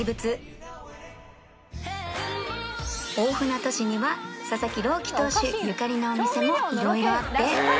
大船渡市には佐々木朗希投手ゆかりのお店も色々あって